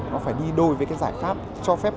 nó phải đi đôi với giải pháp cho phép